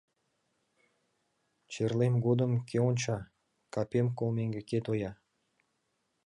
Черлем годым кӧ онча, капем колмеҥге кӧ тоя?